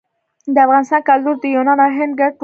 د افغانستان کلتور د یونان او هند ګډ و